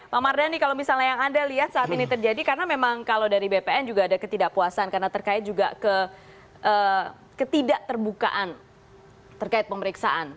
pak mardhani kalau misalnya yang anda lihat saat ini terjadi karena memang kalau dari bpn juga ada ketidakpuasan karena terkait juga ketidak terbukaan terkait pemeriksaan